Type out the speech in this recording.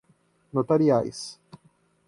notariais